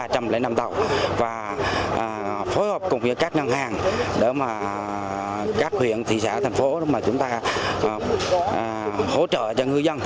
ba trăm linh năm tàu và phối hợp cùng với các ngân hàng để các huyện thị xã thành phố chúng ta hỗ trợ cho ngư dân